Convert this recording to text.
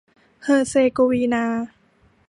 เฮอร์เซโกวีนา